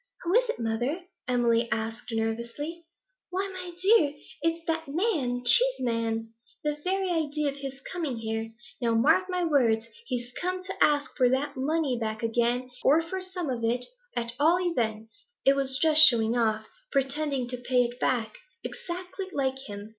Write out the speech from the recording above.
'Who is it, mother?' Emily asked nervously. 'Why, my dear, it's that man Cheeseman! The very idea of his coming here! Now, mark my words, he's come to ask for that money back again, or for some of it, at all events. It was just showing off, pretending to pay it back; exactly like him!